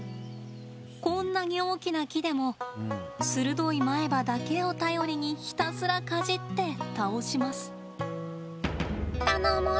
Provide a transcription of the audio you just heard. こんなに大きな木でもするどい前歯だけを頼りにひたすらかじって倒します。